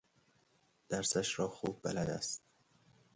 درسش را خوب بلد است.